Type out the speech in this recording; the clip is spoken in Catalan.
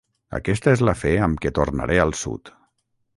Aquesta és la fe amb què tornaré al sud.